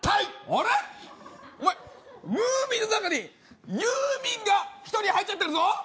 お前ムーミンの中にユーミンが１人入っちゃってるぞ